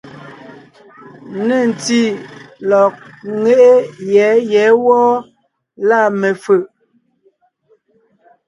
Nê ntí lɔ̀g ńŋeʼe yɛ̌ yɛ̌ wɔ́ɔ, lâ mefʉ̀ʼ.